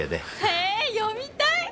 えー読みたい！